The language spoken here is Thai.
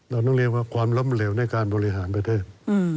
เราก็ต้องเรียกว่าความล้มเหลวในการบริหารเมืองเส้น